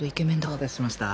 お待たせしました。